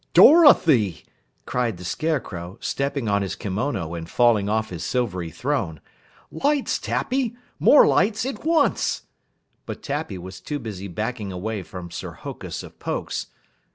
"Dorothy!" cried the Scarecrow, stepping on his kimona and falling off his silvery throne. "Lights, Tappy! More lights, at once!" But Tappy was too busy backing away from Sir Hokus of Pokes.